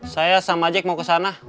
saya sama ajek mau kesana